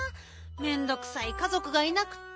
めんどくさいかぞくがいなくって。